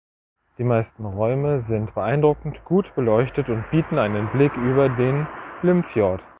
Die meisten Räume sind beeindruckend gut beleuchtet und bieten einen Blick über den Limfjord.